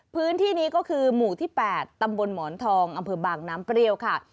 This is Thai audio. พื้นที่นี้ก็คือหมู่ที่๘ตำบลหมอนทองอำเภอบางน้ำเปรี้ยวค่ะ